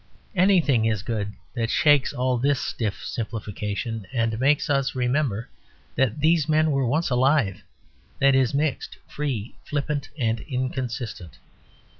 Anything is good that shakes all this stiff simplification, and makes us remember that these men were once alive; that is, mixed, free, flippant, and inconsistent.